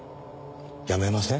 やめません？